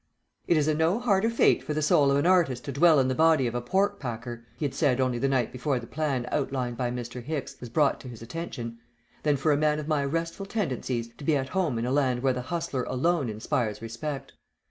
"It is a no harder fate for the soul of an artist to dwell in the body of a pork packer," he had said only the night before the plan outlined by Mr. Hicks was brought to his attention, "than for a man of my restful tendencies to be at home in a land where the hustler alone inspires respect.